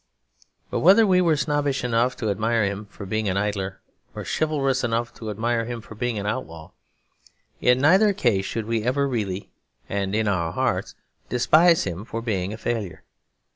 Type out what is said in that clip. But whether we were snobbish enough to admire him for being an idler, or chivalrous enough to admire him for being an outlaw, in neither case should we ever really and in our hearts despise him for being a failure.